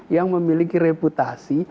yang memiliki reputasi